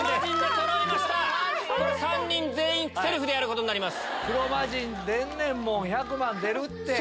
３人全員セルフでやることになります。